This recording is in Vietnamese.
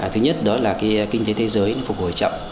thứ nhất đó là kinh tế thế giới phục hồi chậm